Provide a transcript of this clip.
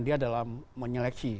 dia dalam menyeleksi